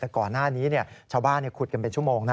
แต่ก่อนหน้านี้ชาวบ้านขุดกันเป็นชั่วโมงนะ